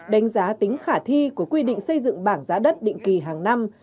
đánh giá tính khả thi của quy định xây dựng bảng giá đất định kỳ hàng năm